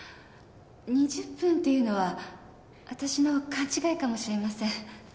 ２０分っていうのはわたしの勘違いかもしれません。